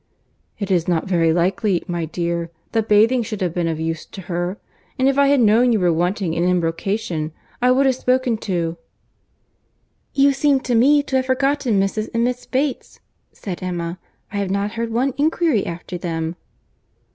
"It is not very likely, my dear, that bathing should have been of use to her—and if I had known you were wanting an embrocation, I would have spoken to— "You seem to me to have forgotten Mrs. and Miss Bates," said Emma, "I have not heard one inquiry after them."